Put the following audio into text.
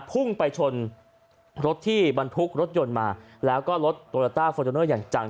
พุ่งไปชนรถที่บรรทุกรถยนต์มาแล้วก็รถโตโยต้าฟอร์จูเนอร์อย่างจัง